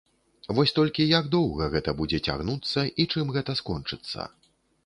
Вось толькі як доўга гэта будзе цягнуцца і чым гэта скончыцца?